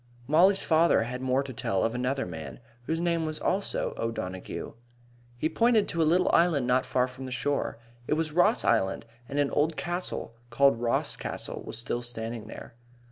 Mollie's father had more to tell of another man, whose name was also O'Donaghue. He pointed to a little island not far from the shore. It was Ross Island, and an old, old castle, called Ross Castle, was still standing there.